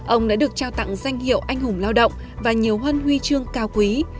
ông đã được trao tặng danh hiệu anh hùng lao động và nhiều huân huy chương cao quý